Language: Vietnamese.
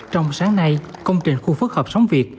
trong sáng nay công trình khu phức hợp sóng việt